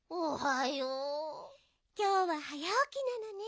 きょうははやおきなのね。